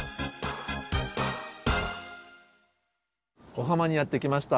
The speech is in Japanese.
尾浜にやって来ました。